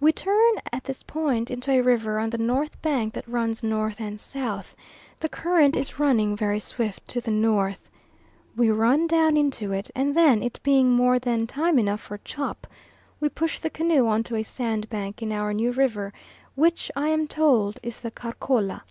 We turn at this point into a river on the north bank that runs north and south the current is running very swift to the north. We run down into it, and then, it being more than time enough for chop, we push the canoe on to a sandbank in our new river, which I am told is the Karkola.